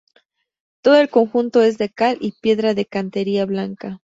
Todo el conjunto es de cal y piedra de cantería blanca.